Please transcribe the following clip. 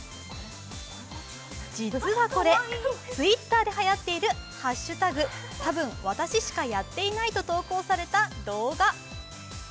実はこれ、Ｔｗｉｔｔｅｒではやっている「＃多分私しかやってない」と投稿された動画。